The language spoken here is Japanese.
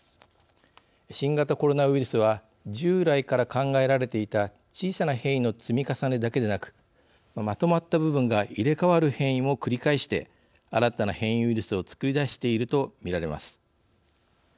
新型コロナウイルスは従来から考えられていた小さな変異の積み重ねだけでなくまとまった部分が入れ替わる変異も繰り返して新たな変異ウイルスを作り出していると見られます。